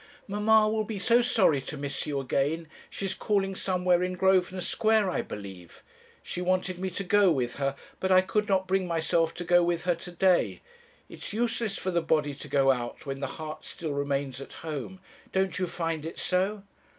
'Mamma will be so sorry to miss you again. She's calling somewhere in Grosvenor Square, I believe. She wanted me to go with her; but I could not bring myself to go with her to day. It's useless for the body to go out, when the heart still remains at home. Don't you find it so?'